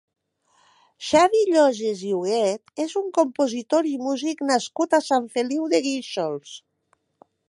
Xavi Lloses i Huguet és un compositor i músic nascut a Sant Feliu de Guíxols.